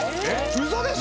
ウソでしょ！？